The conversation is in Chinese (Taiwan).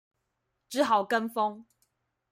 只好跟風